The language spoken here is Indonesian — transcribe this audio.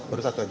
baru satu aja